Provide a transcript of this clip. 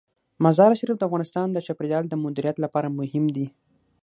مزارشریف د افغانستان د چاپیریال د مدیریت لپاره مهم دي.